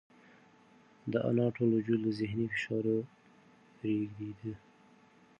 د انا ټول وجود له ذهني فشاره رېږدېده.